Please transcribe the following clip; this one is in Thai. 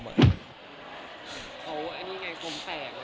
พี่เคลลี่เองเขาแปลก